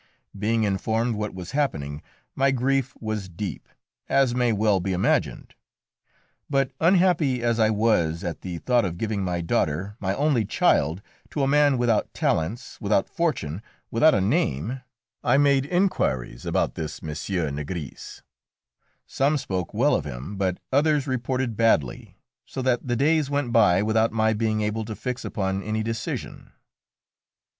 Being informed what was happening, my grief was deep, as may well be imagined; but unhappy as I was at the thought of giving my daughter, my only child, to a man without talents, without fortune, without a name, I made inquiries about this M. Nigris. Some spoke well of him, but others reported badly, so that the days went by without my being able to fix upon any decision.